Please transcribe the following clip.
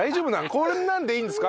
こんなんでいいんですか？